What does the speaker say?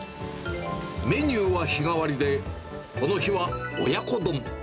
メニューは日替わりで、この日は親子丼。